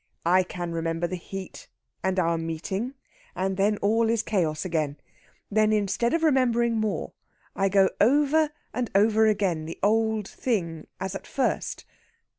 I can remember the heat and our meeting, and then all is Chaos again. Then, instead of remembering more, I go over and over again the old thing as at first....